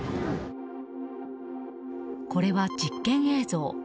これは実験映像。